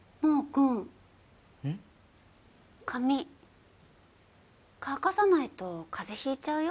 髪乾かさないと風邪ひいちゃうよ。